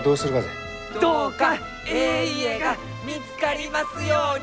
どうかえい家が見つかりますように！